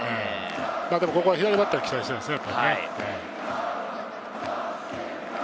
でもここは左バッターに期待したいですね。